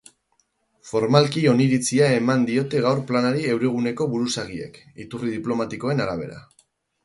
Formalki oniritzia eman diote gaur planari euroguneko buruzagiek, iturri diplomatikoen arabera.